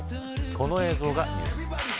この映像がニュース。